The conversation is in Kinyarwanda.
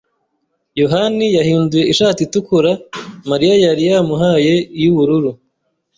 yohani yahinduye ishati itukura Mariya yari yamuhaye iy'ubururu.